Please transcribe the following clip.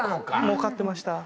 もうかってました。